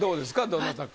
どなたか。